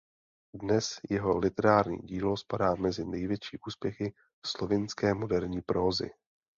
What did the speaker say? Dnes jeho literární dílo spadá mezi největší úspěchy slovinské moderní prózy.